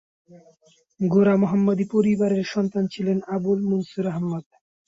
গোঁড়া মোহাম্মদী পরিবারের সন্তান ছিলেন আবুল মনসুর আহমদ।